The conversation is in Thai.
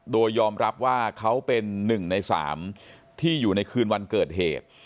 โดยยอมรับว่าเขาเป็น๑ใน๓ที่อยู่ในคืนวันเกิดเหตุ